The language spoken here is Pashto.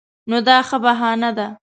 نو دا ښه بهانه ده.